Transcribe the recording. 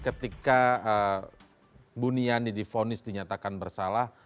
ketika buniani difonis dinyatakan bersalah